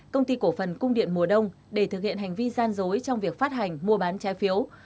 công ty cổ phần cung điện mùa đông để thực hiện hành vi gian dối trong việc phát hành mua bán trái phiếu